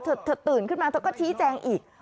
เธอตื่นขึ้นมาเธอก็ชี้แจงอีก